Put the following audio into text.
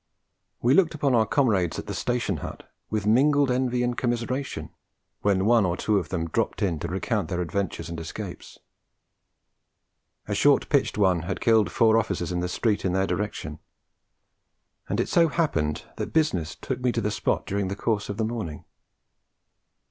We looked upon our comrades at the Station Hut with mingled envy and commiseration, when one or two of them dropped in to recount their adventures and escapes. A short pitched one had killed four officers in the street in their direction. And it so happened that business took me to the spot during the course of the morning.